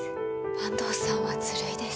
坂東さんはずるいです。